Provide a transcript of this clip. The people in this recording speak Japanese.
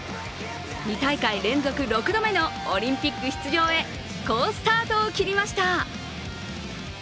２大会連続６度目のオリンピック出場へ好スタートを切りました。